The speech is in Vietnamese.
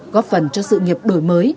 góp phần cho sự nghiệp đổi mới